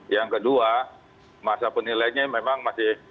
yang kedua masa penilainya memang masih pendek ya